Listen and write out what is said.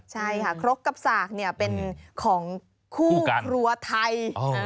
ใช่ค่ะครกกับสากเป็นของคู่ครัวไทย